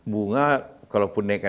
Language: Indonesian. bunga kalau pun naikkan